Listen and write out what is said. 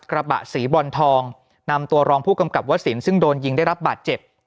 กระบะสีบรอนทองนำตัวรองผู้กำกับวสินซึ่งโดนยิงได้รับบาดเจ็บ